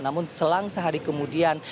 namun selang sehari kemudian